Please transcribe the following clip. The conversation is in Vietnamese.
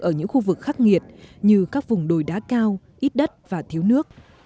ở những khu vực khắc nghiệt như các vùng đồi đá cao ít đất và thiếu nước